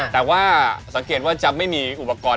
แต่ว่าสังเกตว่าจะไม่มีอุปกรณ์